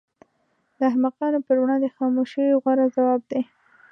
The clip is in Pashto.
د احمقانو پر وړاندې خاموشي غوره ځواب دی.